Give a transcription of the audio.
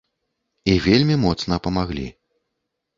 І вельмі моцна памаглі.